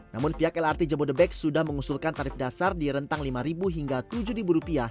namun pihak lrt jabodebek sudah mengusulkan tarif dasar di rentang rp lima hingga rp tujuh